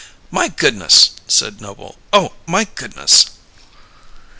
"My goodness!" said Noble. "Oh, my goodness!"